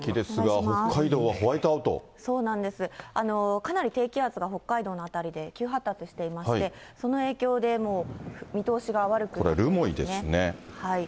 かなり低気圧が北海道の辺りで急発達していまして、その影響で、これ留萌ですね。